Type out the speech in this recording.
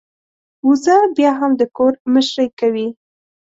وزه بيا هم د کور مشرۍ کوي.